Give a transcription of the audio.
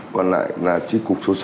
còn lại là chi cục số sáu